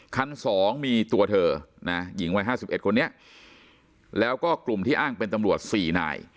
๒มีตัวเธอนะหญิงวัย๕๑คนนี้แล้วก็กลุ่มที่อ้างเป็นตำรวจ๔นาย